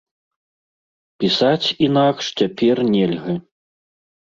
Пісаць інакш цяпер нельга.